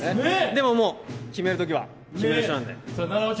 でももう、決めるときは決める人なんで。